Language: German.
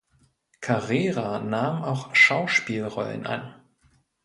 Carrera nahm auch Schauspielrollen an.